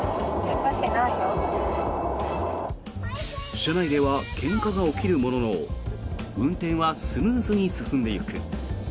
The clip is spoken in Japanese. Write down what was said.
車内ではけんかが起きるものの運転はスムーズに進んでいく。